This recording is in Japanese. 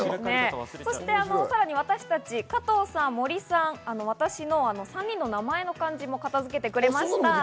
私たち加藤さん、森さん、私の３人の名前の漢字も片付けてくれました。